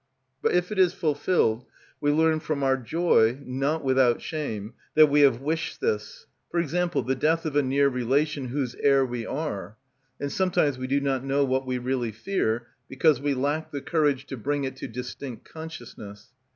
But if it is fulfilled we learn from our joy, not without shame, that we have wished this. For example, the death of a near relation whose heir we are. And sometimes we do not know what we really fear, because we lack the courage to bring it to distinct consciousness.